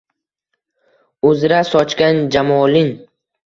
Uzra sochgan jamolin.